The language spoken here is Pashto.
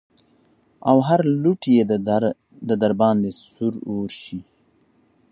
او هر لوټ يې د درباندې سور اور شي.